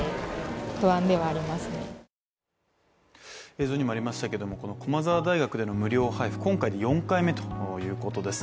映像にもありましたけど、駒沢大学での無料配布、今回で４回目ということです。